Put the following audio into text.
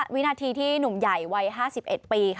วินาทีที่หนุ่มใหญ่วัย๕๑ปี